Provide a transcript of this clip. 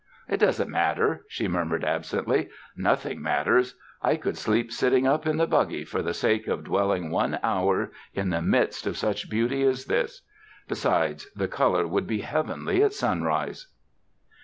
"It doesn't matter," she murmured absently, ''nothing matters. I could sleep sitting up in the buggy, for the sake of dwelling one hour in the midst of such beauty as this. Besides, the color would be heavenly at sunrise."